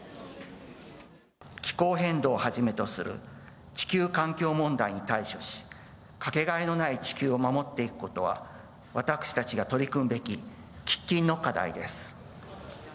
気候変動をはじめとする地球環境問題に対処し、掛けがえのない地球を守っていくことは、私たちが取り組むべき喫緊の課題です。